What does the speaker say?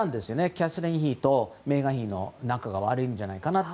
キャサリン妃とメーガン妃の仲が悪いんじゃないかと。